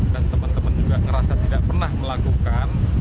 dan teman teman juga merasa tidak pernah melakukan